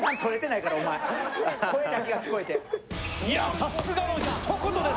さすがのひと言です！